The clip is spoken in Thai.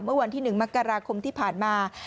เมื่อวันที่๑มกราคมที่ผ่านมา